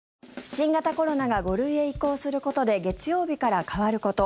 新型コロナが５類へ移行することで月曜日から変わること。